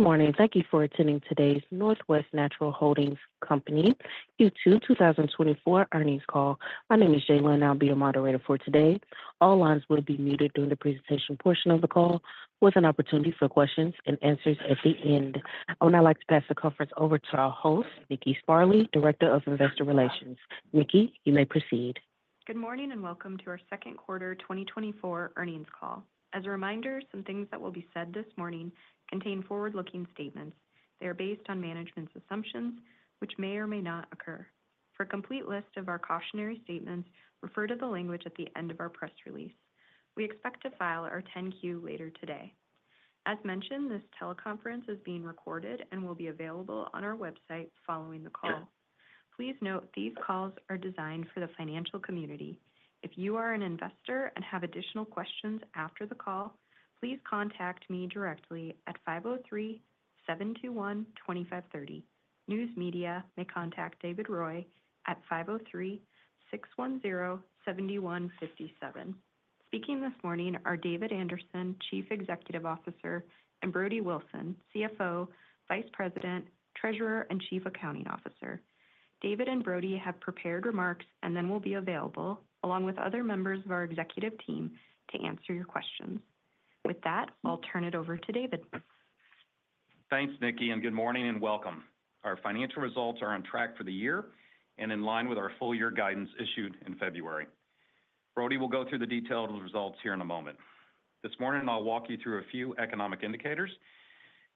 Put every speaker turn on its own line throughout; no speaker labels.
Good morning. Thank you for attending today's Northwest Natural Holding Company's Q4 2024 earnings call. My name is Jaylen and I'll be your moderator for today. All lines will be muted during the presentation portion of the call, with an opportunity for questions and answers at the end. I would now like to pass the conference over to our host, Nikki Sparley, Director of Investor Relations. Nikki, you may proceed.
Good morning and welcome to our second quarter 2024 earnings call. As a reminder, some things that will be said this morning contain forward-looking statements. They are based on management's assumptions, which may or may not occur. For a complete list of our cautionary statements, refer to the language at the end of our press release. We expect to file our 10-Q later today. As mentioned, this teleconference is being recorded and will be available on our website following the call. Please note these calls are designed for the financial community. If you are an investor and have additional questions after the call, please contact me directly at 503-721-2530. News media may contact David Roy at 503-610-7157. Speaking this morning are David Anderson, Chief Executive Officer, and Brody Wilson, CFO, Vice President, Treasurer, and Chief Accounting Officer. David and Brody have prepared remarks and then will be available, along with other members of our executive team, to answer your questions. With that, I'll turn it over to David.
Thanks, Nikki, and good morning and welcome. Our financial results are on track for the year and in line with our full-year guidance issued in February. Brody will go through the detailed results here in a moment. This morning, I'll walk you through a few economic indicators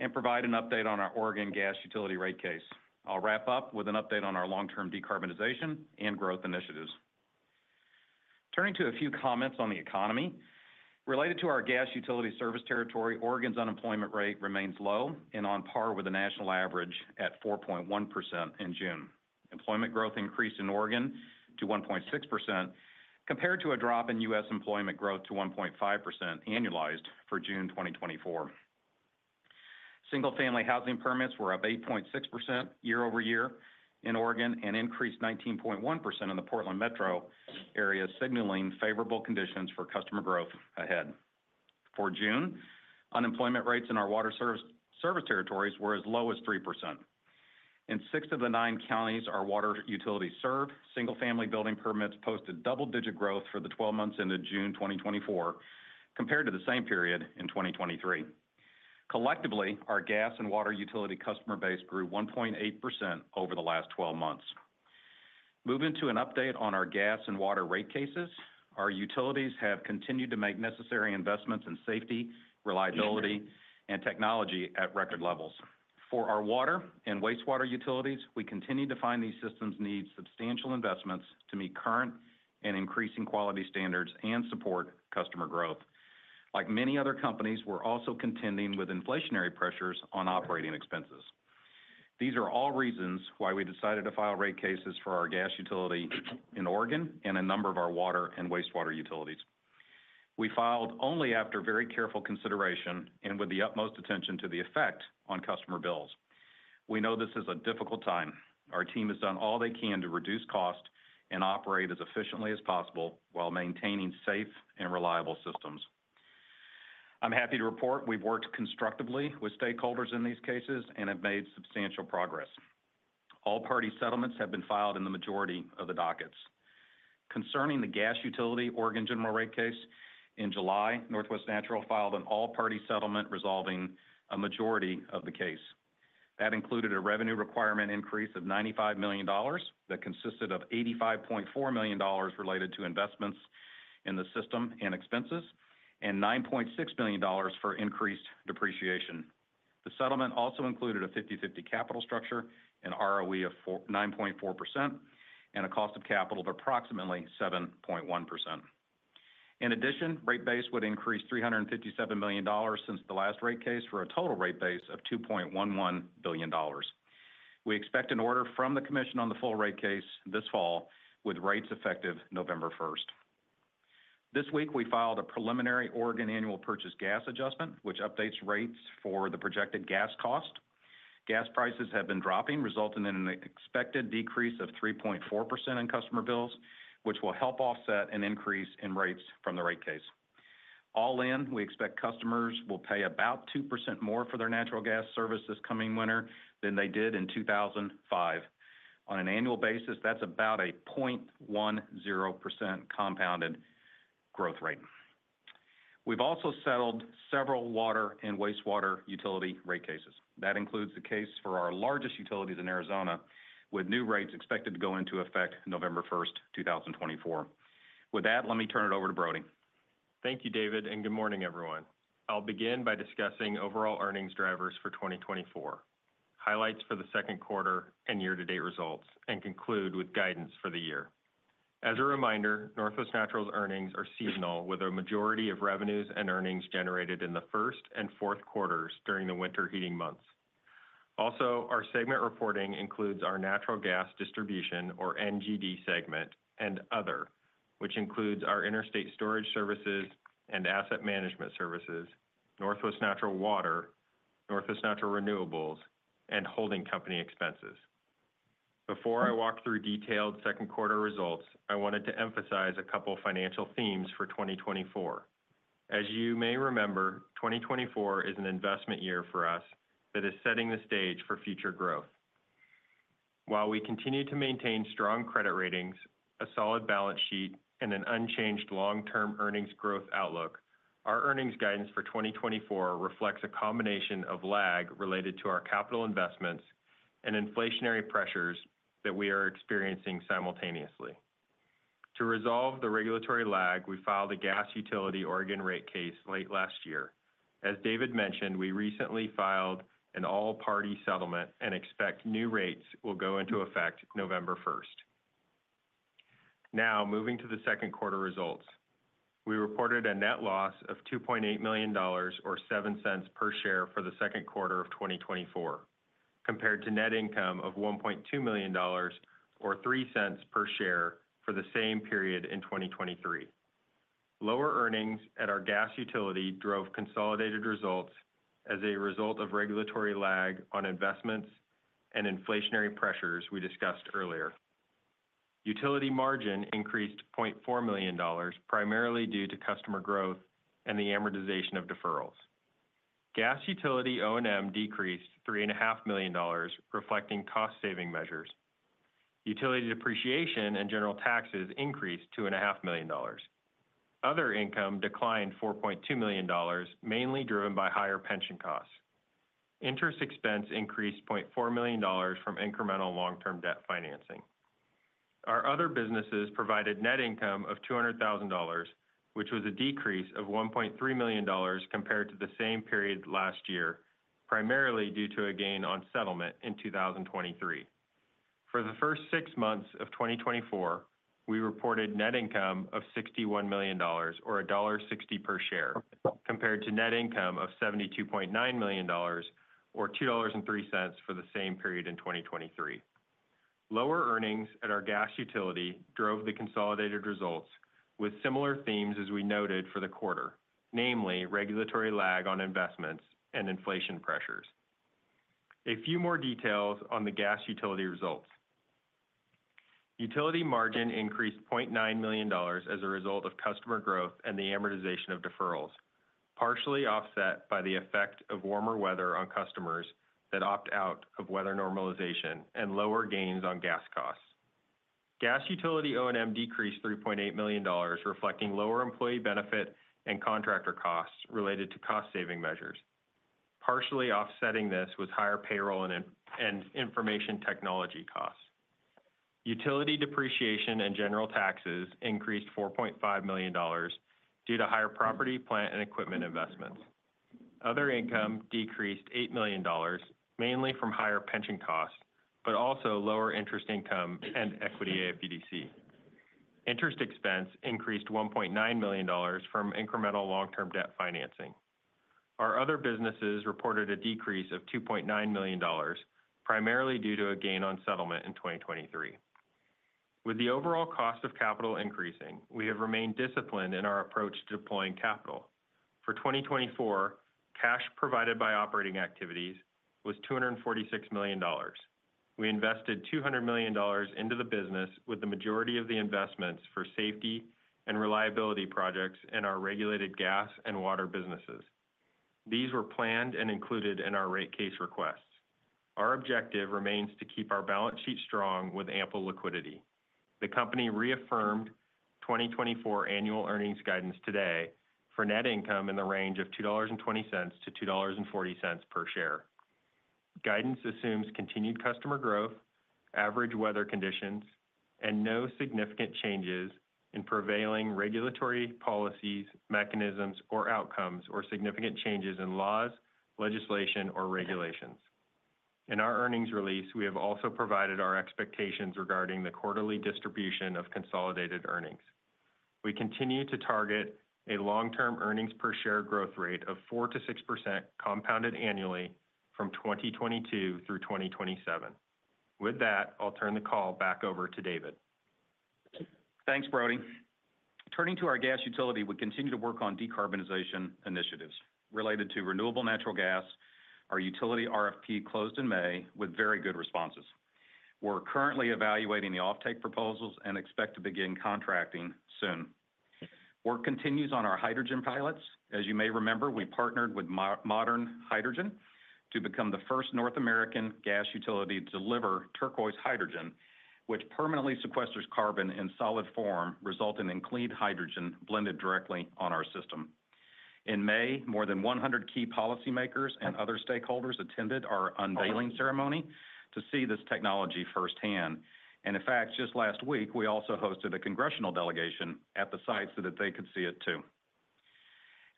and provide an update on our Oregon gas utility rate case. I'll wrap up with an update on our long-term decarbonization and growth initiatives. Turning to a few comments on the economy, related to our gas utility service territory, Oregon's unemployment rate remains low and on par with the national average at 4.1% in June. Employment growth increased in Oregon to 1.6% compared to a drop in U.S. employment growth to 1.5% annualized for June 2024. Single-family housing permits were up 8.6% year-over-year in Oregon and increased 19.1% in the Portland metro area, signaling favorable conditions for customer growth ahead. For June, unemployment rates in our water service territories were as low as 3%. In six of the nine counties our water utilities serve, single-family building permits posted double-digit growth for the 12 months into June 2024, compared to the same period in 2023. Collectively, our gas and water utility customer base grew 1.8% over the last 12 months. Moving to an update on our gas and water rate cases, our utilities have continued to make necessary investments in safety, reliability, and technology at record levels. For our water and wastewater utilities, we continue to find these systems need substantial investments to meet current and increasing quality standards and support customer growth. Like many other companies, we're also contending with inflationary pressures on operating expenses. These are all reasons why we decided to file rate cases for our gas utility in Oregon and a number of our water and wastewater utilities. We filed only after very careful consideration and with the utmost attention to the effect on customer bills. We know this is a difficult time. Our team has done all they can to reduce costs and operate as efficiently as possible while maintaining safe and reliable systems. I'm happy to report we've worked constructively with stakeholders in these cases and have made substantial progress. All-party settlements have been filed in the majority of the dockets. Concerning the gas utility Oregon General Rate Case, in July, Northwest Natural filed an all-party settlement resolving a majority of the case. That included a revenue requirement increase of $95 million that consisted of $85.4 million related to investments in the system and expenses, and $9.6 million for increased depreciation. The settlement also included a 50/50 capital structure, an ROE of 9.4%, and a cost of capital of approximately 7.1%. In addition, rate base would increase $357 million since the last rate case for a total rate base of $2.11 billion. We expect an order from the Commission on the full rate case this fall, with rates effective November 1st. This week, we filed a preliminary Oregon annual purchased gas adjustment, which updates rates for the projected gas cost. Gas prices have been dropping, resulting in an expected decrease of 3.4% in customer bills, which will help offset an increase in rates from the rate case. All in, we expect customers will pay about 2% more for their natural gas service this coming winter than they did in 2005. On an annual basis, that's about a 0.10% compounded growth rate. We've also settled several water and wastewater utility rate cases. That includes the case for our largest utilities in Arizona, with new rates expected to go into effect November 1st, 2024. With that, let me turn it over to Brody.
Thank you, David, and good morning, everyone. I'll begin by discussing overall earnings drivers for 2024, highlights for the second quarter and year-to-date results, and conclude with guidance for the year. As a reminder, Northwest Natural's earnings are seasonal, with a majority of revenues and earnings generated in the first and fourth quarters during the winter heating months. Also, our segment reporting includes our natural gas distribution, or NGD segment, and other, which includes our interstate storage services and asset management services, Northwest Natural Water, Northwest Natural Renewables, and holding company expenses. Before I walk through detailed second quarter results, I wanted to emphasize a couple of financial themes for 2024. As you may remember, 2024 is an investment year for us that is setting the stage for future growth. While we continue to maintain strong credit ratings, a solid balance sheet, and an unchanged long-term earnings growth outlook, our earnings guidance for 2024 reflects a combination of lag related to our capital investments and inflationary pressures that we are experiencing simultaneously. To resolve the regulatory lag, we filed a gas utility Oregon rate case late last year. As David mentioned, we recently filed an all-party settlement and expect new rates will go into effect November 1st. Now, moving to the second quarter results, we reported a net loss of $2.8 million, or $0.07 per share for the second quarter of 2024, compared to net income of $1.2 million, or $0.03 per share for the same period in 2023. Lower earnings at our gas utility drove consolidated results as a result of regulatory lag on investments and inflationary pressures we discussed earlier. Utility margin increased $0.4 million, primarily due to customer growth and the amortization of deferrals. Gas utility O&M decreased $3.5 million, reflecting cost-saving measures. Utility depreciation and general taxes increased $2.5 million. Other income declined $4.2 million, mainly driven by higher pension costs. Interest expense increased $0.4 million from incremental long-term debt financing. Our other businesses provided net income of $200,000, which was a decrease of $1.3 million compared to the same period last year, primarily due to a gain on settlement in 2023. For the first six months of 2024, we reported net income of $61 million, or $1.60 per share, compared to net income of $72.9 million, or $2.03 for the same period in 2023. Lower earnings at our gas utility drove the consolidated results, with similar themes as we noted for the quarter, namely regulatory lag on investments and inflation pressures. A few more details on the gas utility results. Utility margin increased $0.9 million as a result of customer growth and the amortization of deferrals, partially offset by the effect of warmer weather on customers that opt out of weather normalization and lower gains on gas costs. Gas utility O&M decreased $3.8 million, reflecting lower employee benefit and contractor costs related to cost-saving measures, partially offsetting this with higher payroll and information technology costs. Utility depreciation and general taxes increased $4.5 million due to higher property, plant, and equipment investments. Other income decreased $8 million, mainly from higher pension costs, but also lower interest income and equity AFUDC. Interest expense increased $1.9 million from incremental long-term debt financing. Our other businesses reported a decrease of $2.9 million, primarily due to a gain on settlement in 2023. With the overall cost of capital increasing, we have remained disciplined in our approach to deploying capital. For 2024, cash provided by operating activities was $246 million. We invested $200 million into the business, with the majority of the investments for safety and reliability projects in our regulated gas and water businesses. These were planned and included in our rate case requests. Our objective remains to keep our balance sheet strong with ample liquidity. The company reaffirmed 2024 annual earnings guidance today for net income in the range of $2.20-$2.40 per share. Guidance assumes continued customer growth, average weather conditions, and no significant changes in prevailing regulatory policies, mechanisms, or outcomes, or significant changes in laws, legislation, or regulations. In our earnings release, we have also provided our expectations regarding the quarterly distribution of consolidated earnings. We continue to target a long-term earnings per share growth rate of 4%-6% compounded annually from 2022 through 2027. With that, I'll turn the call back over to David.
Thanks, Brody. Turning to our gas utility, we continue to work on decarbonization initiatives related to renewable natural gas. Our utility RFP closed in May with very good responses. We're currently evaluating the offtake proposals and expect to begin contracting soon. Work continues on our hydrogen pilots. As you may remember, we partnered with Modern Hydrogen to become the first North American gas utility to deliver turquoise hydrogen, which permanently sequesters carbon in solid form, resulting in clean hydrogen blended directly on our system. In May, more than 100 key policymakers and other stakeholders attended our unveiling ceremony to see this technology firsthand. And in fact, just last week, we also hosted a congressional delegation at the site so that they could see it too.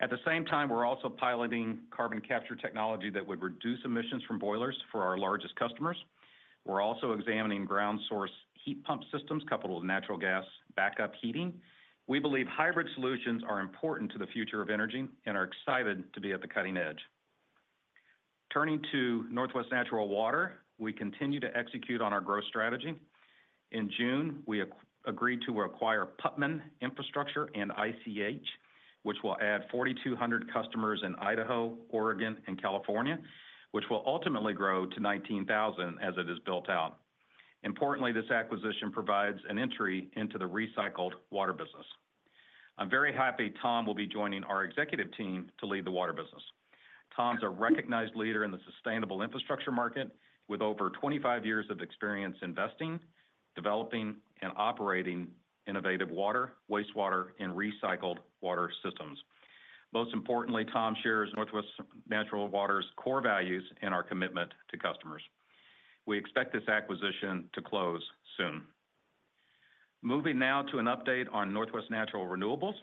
At the same time, we're also piloting carbon capture technology that would reduce emissions from boilers for our largest customers. We're also examining ground source heat pump systems coupled with natural gas backup heating. We believe hybrid solutions are important to the future of energy and are excited to be at the cutting edge. Turning to Northwest Natural Water, we continue to execute on our growth strategy. In June, we agreed to acquire Puttman Infrastructure and ICH, which will add 4,200 customers in Idaho, Oregon, and California, which will ultimately grow to 19,000 as it is built out. Importantly, this acquisition provides an entry into the recycled water business. I'm very happy Tom will be joining our executive team to lead the water business. Tom's a recognized leader in the sustainable infrastructure market with over 25 years of experience investing, developing, and operating innovative water, wastewater, and recycled water systems. Most importantly, Tom shares Northwest Natural Water's core values and our commitment to customers. We expect this acquisition to close soon. Moving now to an update on Northwest Natural Renewables.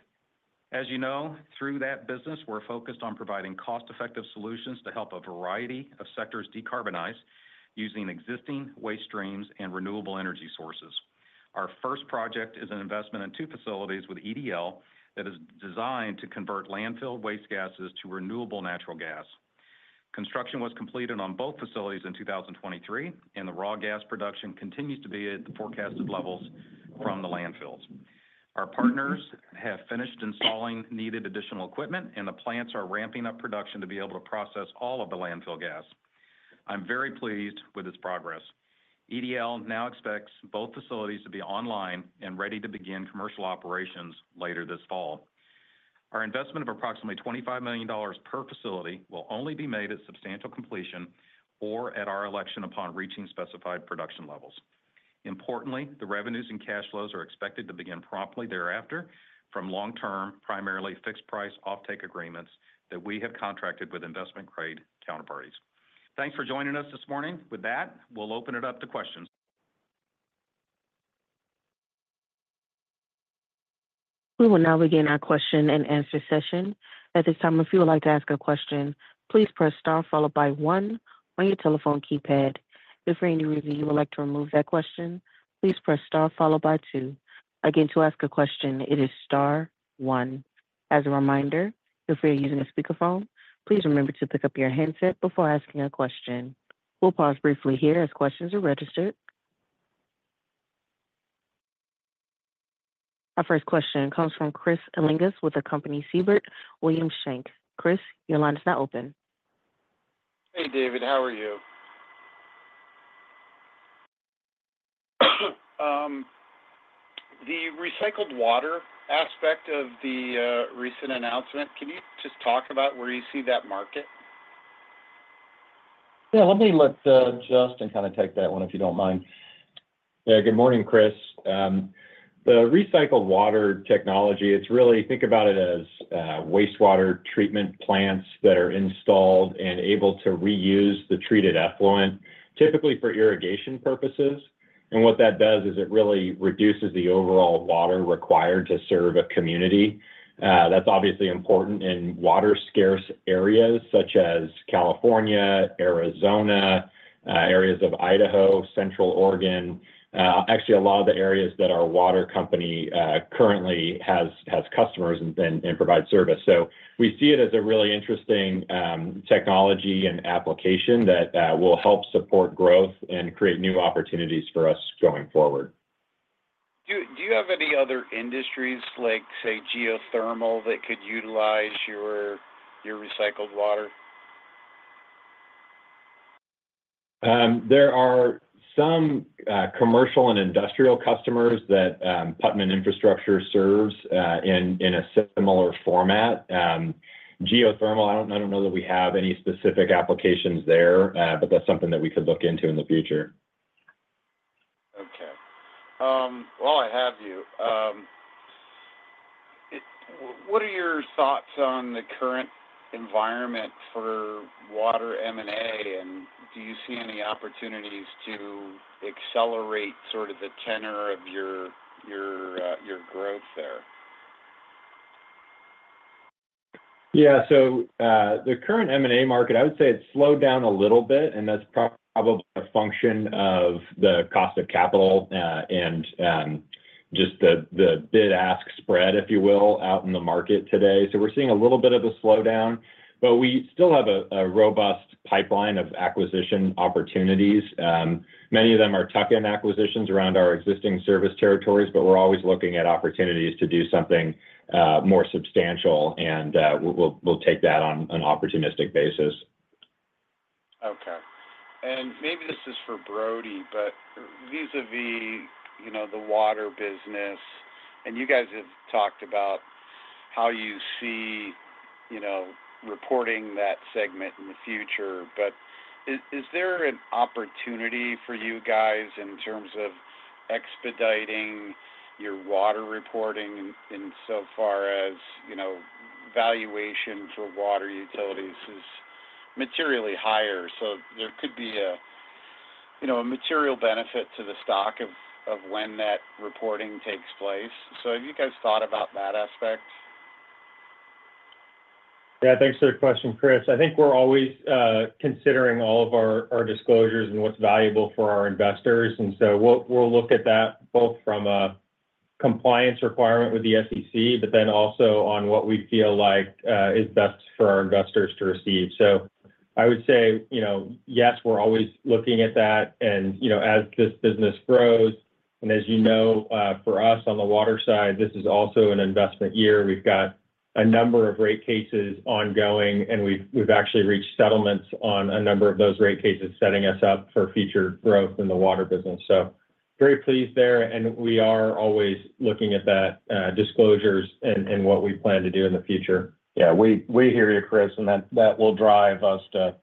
As you know, through that business, we're focused on providing cost-effective solutions to help a variety of sectors decarbonize using existing waste streams and renewable energy sources. Our first project is an investment in two facilities with EDL that is designed to convert landfill waste gases to renewable natural gas. Construction was completed on both facilities in 2023, and the raw gas production continues to be at the forecasted levels from the landfills. Our partners have finished installing needed additional equipment, and the plants are ramping up production to be able to process all of the landfill gas. I'm very pleased with this progress. EDL now expects both facilities to be online and ready to begin commercial operations later this fall. Our investment of approximately $25 million per facility will only be made at substantial completion or at our election upon reaching specified production levels. Importantly, the revenues and cash flows are expected to begin promptly thereafter from long-term, primarily fixed-price offtake agreements that we have contracted with investment-grade counterparties. Thanks for joining us this morning. With that, we'll open it up to questions.
We will now begin our question and answer session. At this time, if you would like to ask a question, please press star followed by 1 on your telephone keypad. If you're ready to review, you will like to remove that question, please press star followed by 2. Again, to ask a question, it is star, 1. As a reminder, if you're using a speakerphone, please remember to pick up your handset before asking a question. We'll pause briefly here as questions are registered. Our first question comes from Chris Ellinghaus with the company Siebert Williams Shank. Chris, your line is now open.
Hey, David, how are you? The recycled water aspect of the recent announcement, can you just talk about where you see that market?
Yeah, let me let Justin kind of take that one, if you don't mind.
Yeah, good morning, Chris. The recycled water technology, it's really, think about it as wastewater treatment plants that are installed and able to reuse the treated effluent, typically for irrigation purposes. And what that does is it really reduces the overall water required to serve a community. That's obviously important in water-scarce areas such as California, Arizona, areas of Idaho, Central Oregon, actually a lot of the areas that our water company currently has customers and provides service. So we see it as a really interesting technology and application that will help support growth and create new opportunities for us going forward.
Do you have any other industries, like, say, geothermal that could utilize your recycled water?
There are some commercial and industrial customers that Puttman Infrastructure serves in a similar format. Geothermal, I don't know that we have any specific applications there, but that's something that we could look into in the future.
Okay. While I have you, what are your thoughts on the current environment for water M&A, and do you see any opportunities to accelerate sort of the tenor of your growth there?
Yeah, so the current M&A market, I would say it's slowed down a little bit, and that's probably a function of the cost of capital and just the bid-ask spread, if you will, out in the market today. So we're seeing a little bit of a slowdown, but we still have a robust pipeline of acquisition opportunities. Many of them are tuck-in acquisitions around our existing service territories, but we're always looking at opportunities to do something more substantial, and we'll take that on an opportunistic basis.
Okay. And maybe this is for Brody, but vis-à-vis the water business, and you guys have talked about how you see reporting that segment in the future, but is there an opportunity for you guys in terms of expediting your water reporting in so far as valuation for water utilities is materially higher? So there could be a material benefit to the stock of when that reporting takes place. So have you guys thought about that aspect?
Yeah, thanks for the question, Chris. I think we're always considering all of our disclosures and what's valuable for our investors. And so we'll look at that both from a compliance requirement with the SEC, but then also on what we feel like is best for our investors to receive. So I would say, yes, we're always looking at that. And as this business grows, and as you know, for us on the water side, this is also an investment year. We've got a number of rate cases ongoing, and we've actually reached settlements on a number of those rate cases setting us up for future growth in the water business. So very pleased there, and we are always looking at that disclosures and what we plan to do in the future. Yeah, we hear you, Chris, and that will drive us to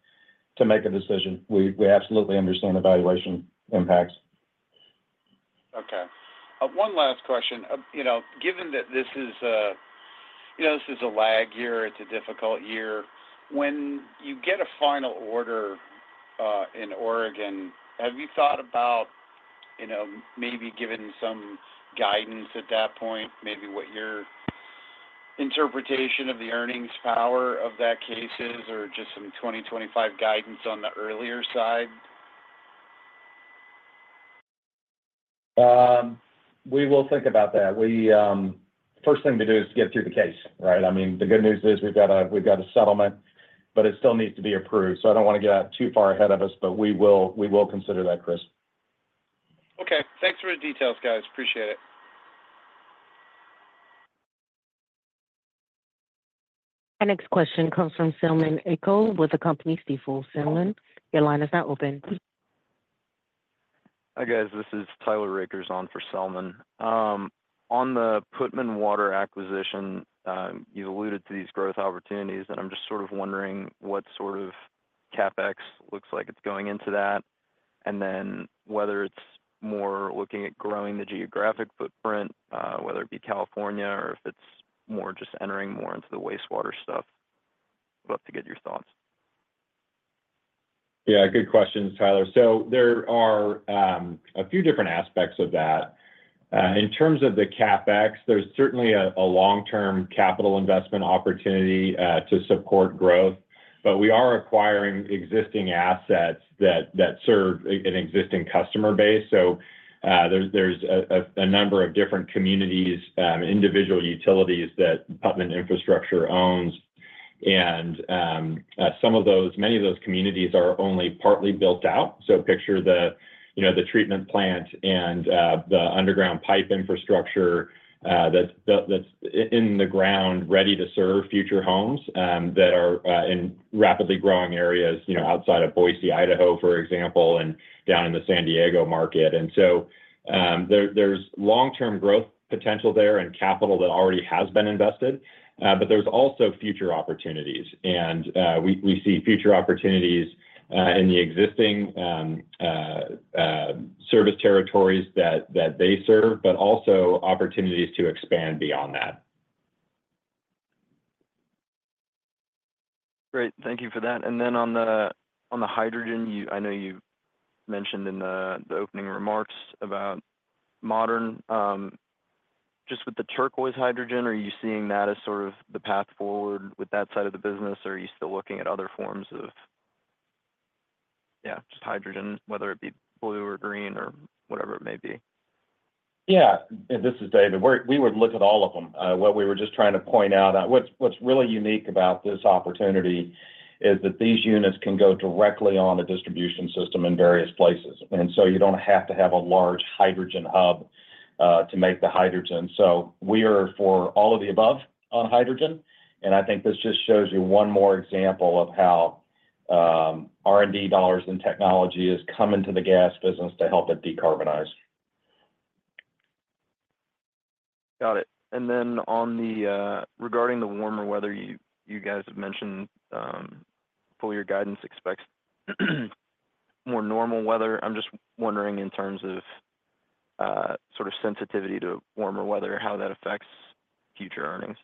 make a decision. We absolutely understand the valuation impacts.
Okay. One last question. Given that this is a lag year, it's a difficult year, when you get a final order in Oregon, have you thought about maybe giving some guidance at that point, maybe what your interpretation of the earnings power of that case is, or just some 2025 guidance on the earlier side?
We will think about that. The first thing to do is get through the case, right? I mean, the good news is we've got a settlement, but it still needs to be approved. So I don't want to get that too far ahead of us, but we will consider that, Chris.
Okay. Thanks for the details, guys. Appreciate it.
Our next question comes from Selman Akyol with the company Stifel. Your line is now open.
Hi guys, this is Tyler Reigers on for Selman. On the Puttman Water acquisition, you've alluded to these growth opportunities, and I'm just sort of wondering what sort of CapEx looks like it's going into that, and then whether it's more looking at growing the geographic footprint, whether it be California or if it's more just entering more into the wastewater stuff. I'd love to get your thoughts.
Yeah, good questions, Tyler. So there are a few different aspects of that. In terms of the CapEx, there's certainly a long-term capital investment opportunity to support growth, but we are acquiring existing assets that serve an existing customer base. So there's a number of different communities, individual utilities that Puttman Infrastructure owns, and many of those communities are only partly built out. So picture the treatment plant and the underground pipe infrastructure that's in the ground ready to serve future homes that are in rapidly growing areas outside of Boise, Idaho, for example, and down in the San Diego market. And so there's long-term growth potential there and capital that already has been invested, but there's also future opportunities. And we see future opportunities in the existing service territories that they serve, but also opportunities to expand beyond that.
Great. Thank you for that. And then on the hydrogen, I know you mentioned in the opening remarks about Modern, just with the turquoise hydrogen, are you seeing that as sort of the path forward with that side of the business, or are you still looking at other forms of, yeah, just hydrogen, whether it be blue or green or whatever it may be?
Yeah, this is David. We would look at all of them. What we were just trying to point out, what's really unique about this opportunity is that these units can go directly on a distribution system in various places. And so you don't have to have a large hydrogen hub to make the hydrogen. So we are for all of the above on hydrogen, and I think this just shows you one more example of how R&D dollars and technology is coming to the gas business to help it decarbonize.
Got it. And then regarding the warmer weather, you guys have mentioned full year guidance expects more normal weather. I'm just wondering in terms of sort of sensitivity to warmer weather, how that affects future earnings?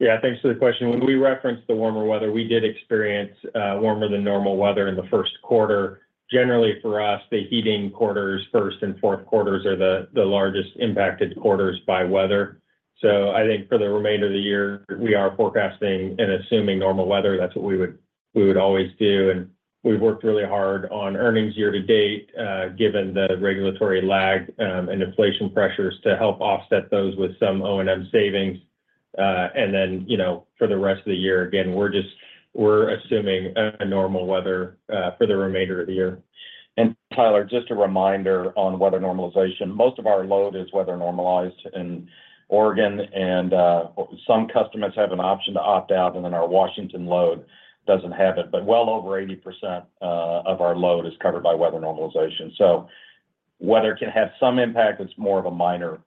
Yeah, thanks for the question. When we referenced the warmer weather, we did experience warmer than normal weather in the first quarter. Generally, for us, the heating quarters, first and fourth quarters are the largest impacted quarters by weather. So I think for the remainder of the year, we are forecasting and assuming normal weather. That's what we would always do. And we've worked really hard on earnings year to date, given the regulatory lag and inflation pressures to help offset those with some O&M savings. And then for the rest of the year, again, we're assuming normal weather for the remainder of the year. And Tyler, just a reminder on weather normalization. Most of our load is weather normalized in Oregon, and some customers have an option to opt out, and then our Washington load doesn't have it. Well over 80% of our load is covered by weather normalization. Weather can have some impact. It's more of a minor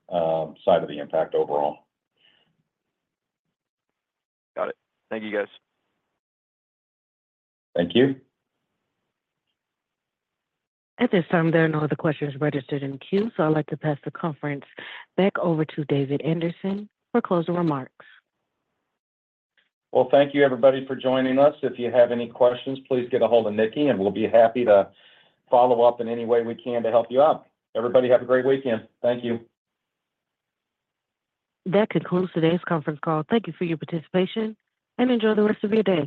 side of the impact overall.
Got it. Thank you, guys.
Thank you.
At this time, there are no other questions registered in queue, so I'd like to pass the conference back over to David Anderson for closing remarks.
Well, thank you, everybody, for joining us. If you have any questions, please get a hold of Nikki, and we'll be happy to follow up in any way we can to help you out. Everybody, have a great weekend. Thank you.
That concludes today's conference call. Thank you for your participation, and enjoy the rest of your day.